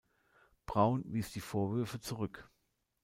Braun wies die Vorwürfe zurück.